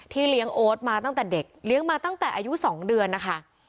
เลี้ยงโอ๊ตมาตั้งแต่เด็กเลี้ยงมาตั้งแต่อายุ๒เดือนนะคะ